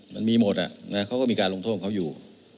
มันมีหมดเขาก็มีการลงโทษเขาอยู่